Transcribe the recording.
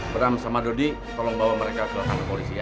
pertama sama dodi tolong bawa mereka ke polisi ya